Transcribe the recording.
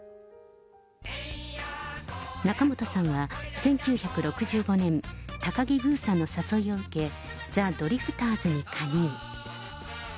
仲本さんは１９６５年、高木ブーさんの誘いを受け、ザ・ドリフターズに加入。